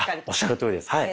おっしゃるとおりです。